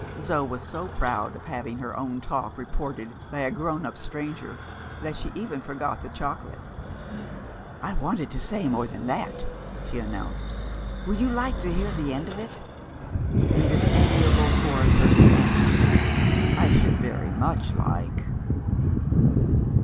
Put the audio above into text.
Zo was so proud of having her own talk reported by a grown up stranger, that she even forgot the chocolate. "I wanted to say more than that," she announced. "Would you like to hear the end of it?" And this admirable foreign person answered, "I should very much like."